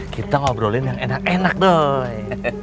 kita ngobrolin yang enak enak dong